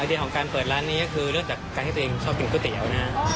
ดีของการเปิดร้านนี้ก็คือเริ่มจากการที่ตัวเองชอบกินก๋วยเตี๋ยวนะฮะ